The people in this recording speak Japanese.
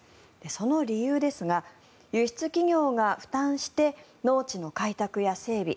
その理由ですが輸出企業が負担して農地の開拓や整備